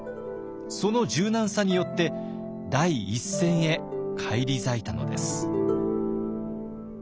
その柔軟さによって第一線へ返り咲いたのです。